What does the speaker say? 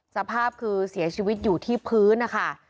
สภาพคือเสียชีวิตอยู่ที่พื้นนะคะ